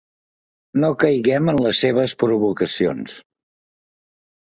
No caiguem en les seves provocacions.